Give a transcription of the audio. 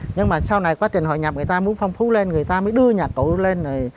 nhưng mà sau này quá trình họ nhập người ta múa phong phú lên người ta mới đưa nhà cụ lên